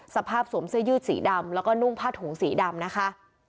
สวมเสื้อยืดสีดำแล้วก็นุ่งผ้าถุงสีดำนะคะ